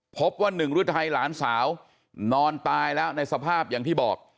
พบว่าหนึ่งฤทัยหลานสาวนอนตายแล้วในสภาพอย่างที่บอก